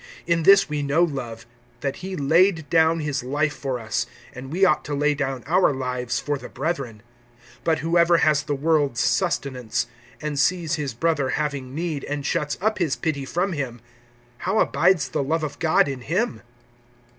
(16)In this we know love, that he laid down his life for us; and we ought to lay down our lives for the brethren. (17)But whoever has the world's sustenance, and sees his brother having need, and shuts up his pity from him, how abides the love of God in him?